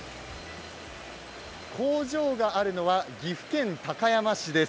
工場があるのは岐阜県高山市です。